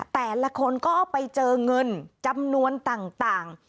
แต่ละคนก็ไปเจอเงินจำนวนต่าง